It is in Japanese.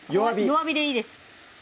弱火でいいです